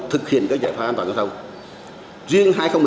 thực hiện bảo đảm an toàn giao thông